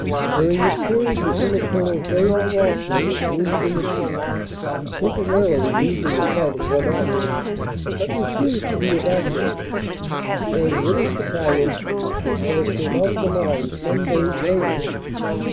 During this period Lt. Col. J. L. Ralston was wounded in the cheek, temporarily losing the sight of one eye, but refused to be evacuated, staying with his battalion until it came out of the line some days later.